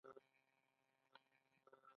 چینايي ساینس پوهان نوښتګر دي.